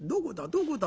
「どこだ？」。